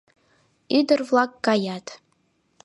Ӱдыр-влак каят.